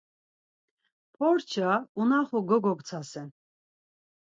Porça unaxu gogoktsasen.